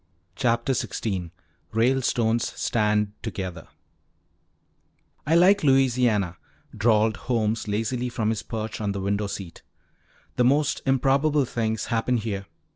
CHAPTER XVI RALESTONES STAND TOGETHER "I like Louisiana," drawled Holmes lazily from his perch on the window seat. "The most improbable things happen here.